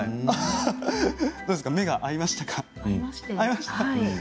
どうですか目が合いますか？